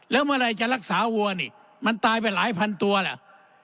แล้วเมื่อไหร่จะรักษาวัวนี่มันตายไปหลายพันตัวเหรอ